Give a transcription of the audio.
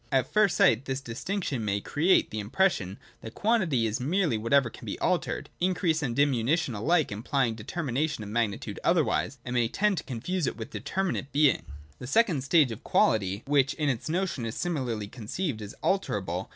At first sight this definition may create the impression that quantity is merely whatever can be altered :— increase and diminution alike implying determination of magnitude otherwise — and may tend to confuse it with determinate Being, the second stage of quality, which in its notion is similarly conceived as alterable.